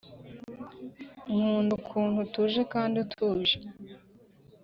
nkunda ukuntu utuje kandi utuje